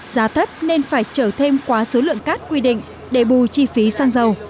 giá thấp nên phải chở thêm quá số lượng cát quy định để bù chi phí sang dầu